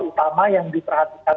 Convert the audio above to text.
pertama yang diperhatikan